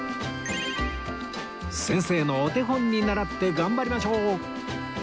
先生のお手本に習って頑張りましょう！